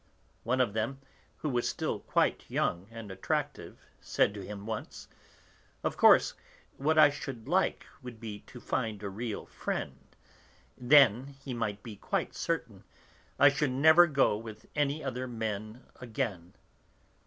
One of them, who was still quite young and attractive, said to him once, "Of course, what I should like would be to find a real friend, then he might be quite certain, I should never go with any other men again."